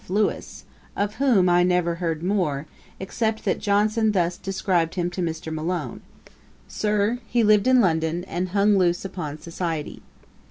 Lewis_, of whom I never heard more, except that Johnson thus described him to Mr. Malone: 'Sir, he lived in London, and hung loose upon society.'